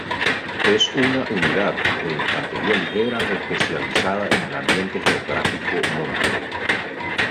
Es una unidad de infantería ligera especializada en el ambiente geográfico monte.